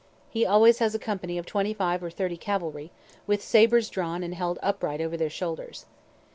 He always has a company of twenty five or thirty cavalry, with sabres drawn and held upright over their shoulders.